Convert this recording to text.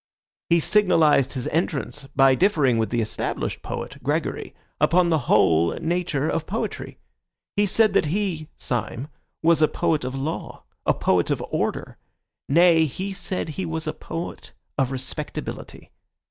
He signalised his entrance by differing with the established poet, Gregory, upon the whole nature of poetry. He said that he (Syme) was poet of law, a poet of order; nay, he said he was a poet of respectability.